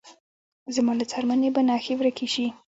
زما له څرمنې به نخښې ورکې شې